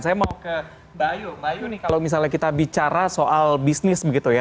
saya mau ke mbak ayu mbak ayu nih kalau misalnya kita bicara soal bisnis begitu ya